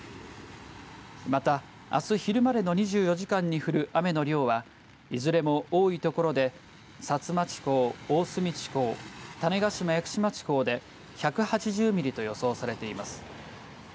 また、あす昼までの２４時間に降る雨の量はいずれも多い所で薩摩地方、大隅地方種子島・屋久島地方で１８０ミリと予想されています。